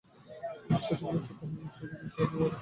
শশী বলে, চোখ আপনার নষ্ট হয়ে গেছে সেনদিদি, ও আর সারবে না।